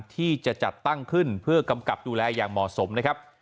ที่จะจัดตั้งขึ้นเพื่อกำกับดูแลอย่างเหมาะสมนะครับ